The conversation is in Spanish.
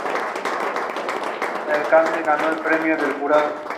Forma parte de su Obra completa.